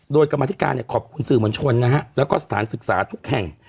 โดยกรรมธิการเนี่ยขอบคุณสื่อมวลชนนะฮะแล้วก็สถานศึกษาทุกแห่ง